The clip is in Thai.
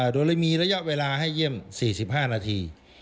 โดยมีระยะเวลาให้เยี่ยม๔๕นาที